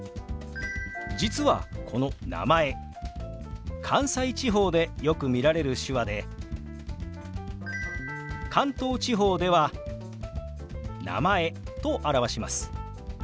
実はこの「名前」関西地方でよく見られる手話で関東地方では「名前」と表します。